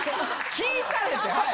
聞いたれってはい。